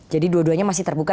jadi dua duanya masih terbuka